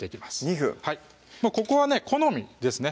２分ここは好みですね